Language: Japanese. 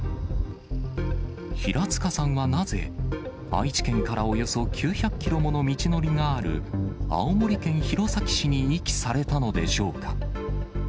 平塚さんはなぜ、愛知県からおよそ９００キロもの道のりがある青森県弘前市に遺棄されたのでしょうか。